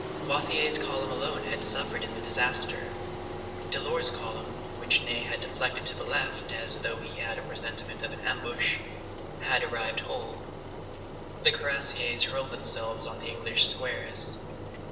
Wathier's column alone had suffered in the disaster; Delort's column, which Ney had deflected to the left, as though he had a presentiment of an ambush, had arrived whole. The cuirassiers hurled themselves on the English squares.